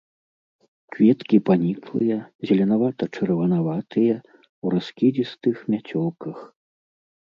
Кветкі паніклыя, зеленавата-чырванаватыя, у раскідзістых мяцёлках.